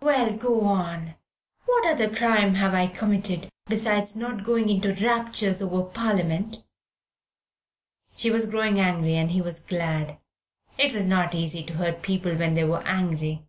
"Well, go on. What other crime have I committed besides not going into raptures over Parliament?" She was growing angry, and he was glad. It is not so easy to hurt people when they are angry.